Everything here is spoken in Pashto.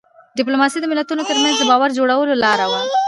ډيپلوماسي د ملتونو ترمنځ د باور جوړولو لار وه.